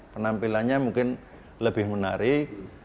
penampilannya mungkin lebih menarik